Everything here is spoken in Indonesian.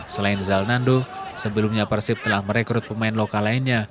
selain zalnando sebelumnya persib telah merekrut pemain lokal lainnya